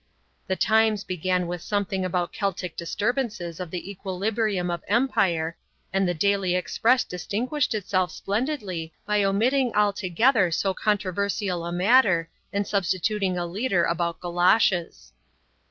The Times began with something about Celtic disturbances of the equilibrium of Empire, and the Daily Express distinguished itself splendidly by omitting altogether so controversial a matter and substituting a leader about goloshes.